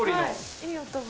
いい音が。